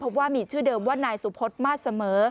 ว่ามีชื่อเดิมว่านายสุพศมาสเสมอ